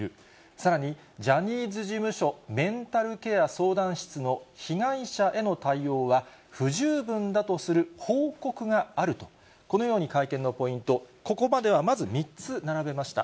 さらにジャニーズ事務所メンタルケア相談室の被害者への対応は不十分だとする報告があると、このように会見のポイント、ここまではまず３つ並べました。